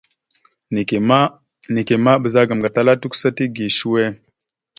Neke ma ɓəzagaam gatala tʉkəsa tige səwe.